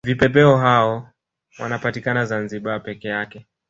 Vipepeo hao wanapatikana zanzibar peke yake